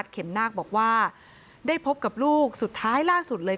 เข็มนาคบอกว่าได้พบกับลูกสุดท้ายล่าสุดเลย